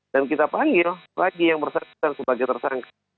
kita panggil lagi yang bersangkutan sebagai tersangka